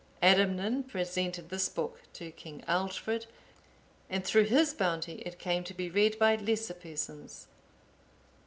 Adamnan presented this book to King Aldfrid, and through his bounty it came to be read by lesser persons.